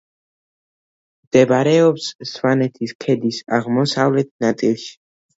მდებარეობს სვანეთის ქედის აღმოსავლეთ ნაწილში.